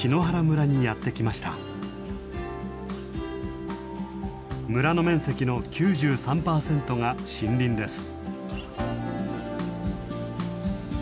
村の面積の９３パーセントが森林です。